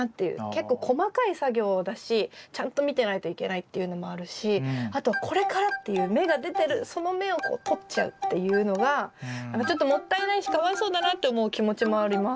結構細かい作業だしちゃんと見てないといけないっていうのもあるしあとはこれからっていう芽が出てるその芽をこうとっちゃうっていうのがちょっともったいないしかわいそうだなって思う気持ちもあります。